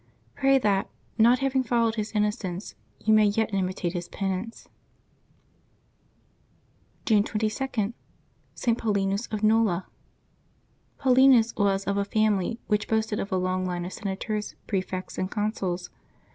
Pray that, not having fol lowed his innocence, you may yet imitate his penance. June 22.— ST. PAULINUS OF NOLA. QAULiNus was of a family which boasted of a long line of senators, prefects, and consuls.